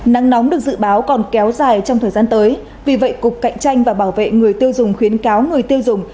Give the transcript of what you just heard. nắng nóng được dự báo còn kéo dài trong thời gian tới vì vậy cục cạnh tranh và bảo vệ người tiêu dùng khuyến cáo người tiêu dùng